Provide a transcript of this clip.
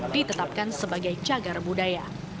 ditetapkan sebagai jagar budaya